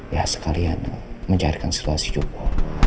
ya sekalian mencairkan situasi joko